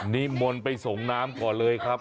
นิมนต์ไปส่งน้ำก่อนเลยครับ